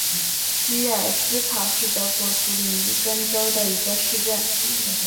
基尔施考是德国图林根州的一个市镇。